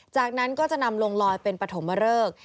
จากนั้นก็จะนำลงลอยเป็นปฐมเริก